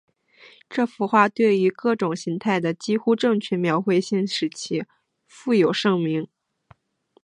这幅画作对于各种形态的几乎正确描绘性使其负有盛名。